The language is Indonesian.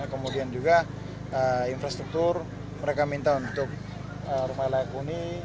kemudian juga infrastruktur mereka minta untuk rumah layak huni